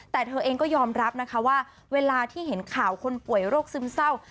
แต่เธอเองก็ยอมรับนะคะว่าเวลาที่เห็นข่าวคนป่วยโรคซึมเศร้า